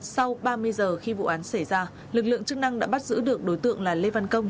sau ba mươi giờ khi vụ án xảy ra lực lượng chức năng đã bắt giữ được đối tượng là lê văn công